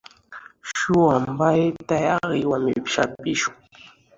s huyo ambaye tayari wameshaapishwa